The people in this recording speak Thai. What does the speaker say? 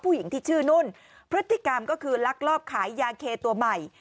ผู้หญิงที่ชื่อนุ่นพฤติกรรมก็คือลักลอบขายยาเคตัวใหม่